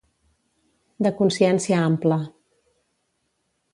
De consciència ampla.